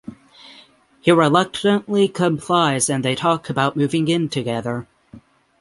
He reluctantly complies and they talk about moving in together.